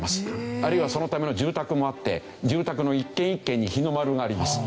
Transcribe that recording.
あるいはそのための住宅もあって住宅の１軒１軒に日の丸があります。